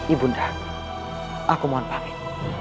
ibunda aku mohon panggil